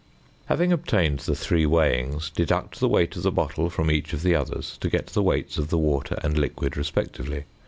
Having obtained the three weighings, deduct the weight of the bottle from each of the others to get the weights of the water and liquid respectively.